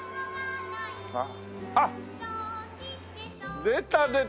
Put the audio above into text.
あっ出た出た！